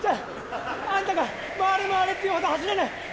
あんたが回れ回れっていうほど走れない！